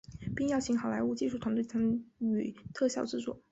并邀请好莱坞技术团队参与特效制作。